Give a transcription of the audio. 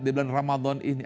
di bulan ramadhan ini